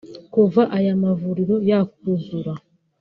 Kuva aya mavuriro yakuzura